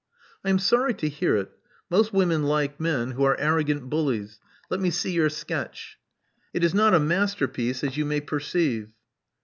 '*I am sorry to hear it. Most women like men who are arrogant bullies. Let me see your sketch." *'It is not a masterpiece, as you may perceive."